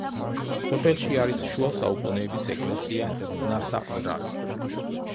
სოფელში არის შუა საუკუნეების ეკლესია „ნასაყდრალი“.